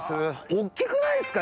大っきくないですか！